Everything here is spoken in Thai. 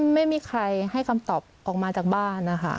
ไม่มีใครให้คำตอบออกมาจากบ้านนะคะ